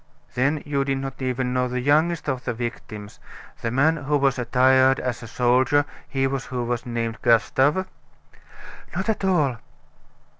"Then you did not even know the youngest of the victims, the man who was attired as a soldier, he who was named Gustave?" "Not at all."